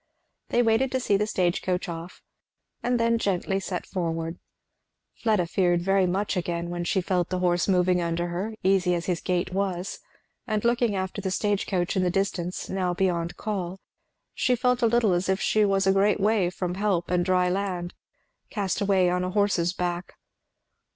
They waited to see the stage coach off, and then gently set forward. Fleda feared very much again when she felt the horse moving under her, easy as his gait was, and looking after the stagecoach in the distance, now beyond call, she felt a little as if she was a great way from help and dry land, cast away on a horse's back.